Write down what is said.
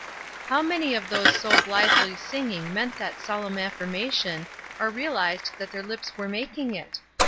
How many of those so blithely singing meant that solemn affirmation or realized that their lips were making it